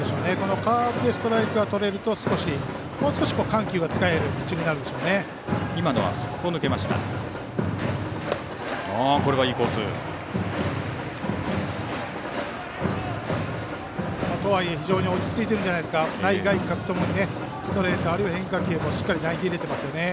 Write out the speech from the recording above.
カーブでストライクがとれるともう少し緩急が使えるピッチングになるでしょうね。